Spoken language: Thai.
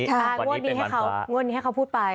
งวดนี้ให้เขาพูดไป